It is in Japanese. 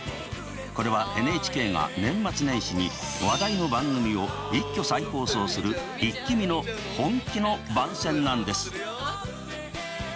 これはＮＨＫが年末年始に話題の番組を一挙再放送する「イッキ見！」の本気の番宣なんです。